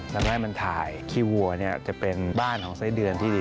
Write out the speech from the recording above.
ทำให้มันถ่ายขี้วัวเนี่ยจะเป็นบ้านของไส้เดือนที่ดี